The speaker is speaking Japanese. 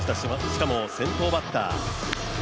しかも先頭バッター。